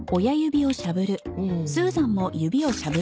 うん。